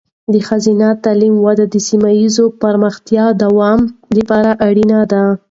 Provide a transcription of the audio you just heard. د ښځینه تعلیم وده د سیمه ایزې پرمختیا د دوام لپاره اړینه ده.